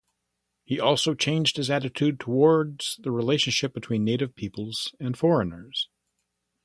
He also changed his attitude towards the relationship between native peoples and foreigners.